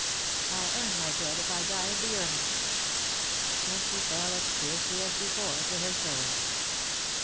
I'll earn my bread, if I die in the earning." And she fell as fiercely as before to her sewing.